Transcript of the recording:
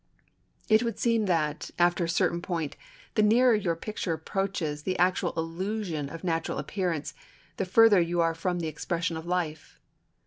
It would seem that, after a certain point, the nearer your picture approaches the actual illusion of natural appearance, the further you are from the expression of life.